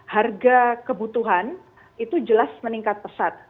harga kebutuhan itu jelas meningkat pesat